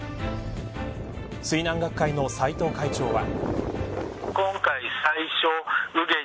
水難学会の斎藤会長は。